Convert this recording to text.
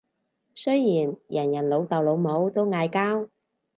雖然人人老豆老母都嗌交